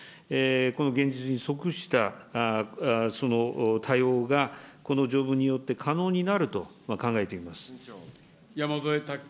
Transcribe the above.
この現実に即した対応がこの条文によって可能になると考えていま山添拓君。